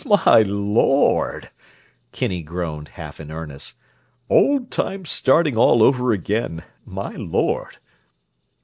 "My Lord!" Kinney groaned, half in earnest. "Old times starting all over again! My Lord!"